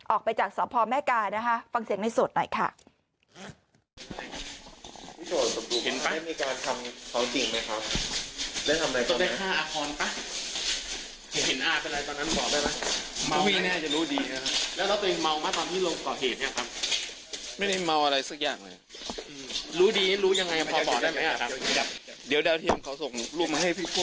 ออกไปจากสพแม่กานะคะฟังเสียงในโสดหน่อยค่ะ